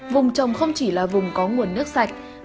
vùng trồng không chỉ là vùng có nguồn nước sạch